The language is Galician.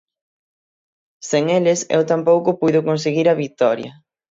Sen eles, eu tampouco puido conseguir a vitoria.